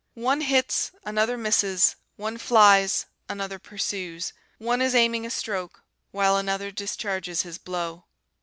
One hits, another misses; one flies, another pursues; one is aiming a stroke, while another discharges his blow.